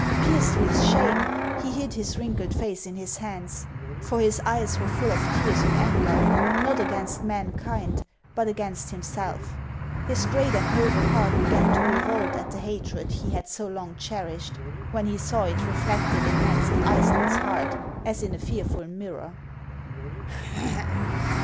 Pierced with shame, he hid his wrinkled face in his hands ; for his eyes were full of tears of anger, not against mankind, but against himself. His great and noble heart began to revolt at the hatred he had IIAXS OF ICELAND. 487 so long cherished, wheii he saw it reflected in Hans of Iceland's heart as in a fearful mirror.